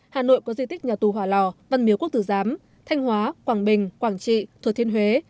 hà nội có di tích nhà tù hòa lò văn miếu quốc tử giám thanh hóa quảng bình quảng trị thừa thiên huế